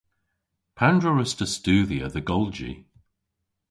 Pandr'a wruss'ta studhya dhe golji?